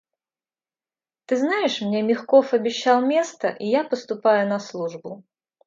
Ты знаешь, мне Мягков обещал место, и я поступаю на службу.